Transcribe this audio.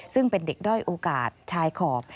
ซึ่งเป็นเด็กด้อยโอกาสชายขอบ